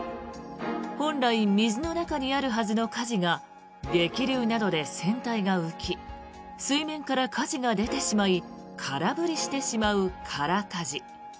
本来、水の中にあるはずのかじが激流などで船体が浮き水面からかじが出てしまい空振りしてしまう空かじ。